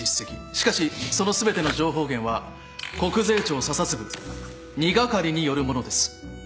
しかしその全ての情報源は国税庁査察部２係によるものです。